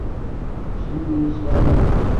Shinni yeyishgami?